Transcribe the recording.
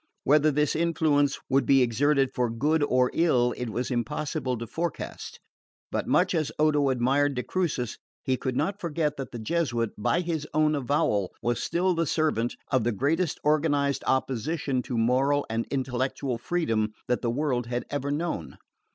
Whether this influence would be exerted for good or ill it was impossible to forecast; but much as Odo admired de Crucis, he could not forget that the Jesuit, by his own avowal, was still the servant of the greatest organised opposition to moral and intellectual freedom that the world had ever known.